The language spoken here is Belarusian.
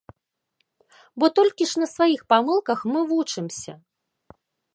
Бо толькі ж на сваіх памылках мы вучымся.